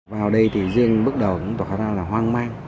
vào đây thì dương bước đầu cũng tỏ ra là hoang mang